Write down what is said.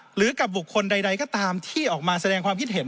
หรือกับบุคคลใดก็ตามที่ออกมาแสดงความคิดเห็น